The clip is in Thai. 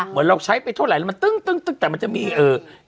เหมือนเราใช้ไปเท่าไหร่แล้วมันตึ้งแต่มันจะมีเอ่อ